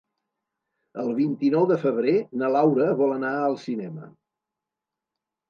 El vint-i-nou de febrer na Laura vol anar al cinema.